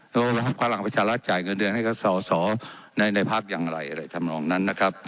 แล้วพลังประชารัฐจ่ายเงินเดือนให้กับสอสอในพักอย่างไรอะไรทำนองนั้นนะครับ